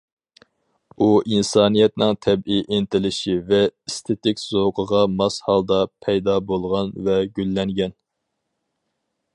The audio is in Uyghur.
ئۇ ئىنسانىيەتنىڭ تەبىئىي ئىنتىلىشى ۋە ئېستېتىك زوقىغا ماس ھالدا پەيدا بولغان ۋە گۈللەنگەن.